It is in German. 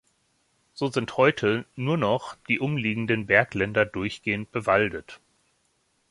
So sind heute nur noch die umliegenden Bergländer durchgehend bewaldet.